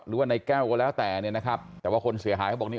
หรือว่าในแก้วก็แล้วแต่เนี่ยนะครับแต่ว่าคนเสียหายเขาบอกนี่